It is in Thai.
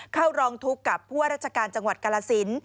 เข้าร้องทุกข์กับผู้ว่าราชการจังหวัดกาลสิน